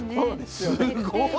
すごい。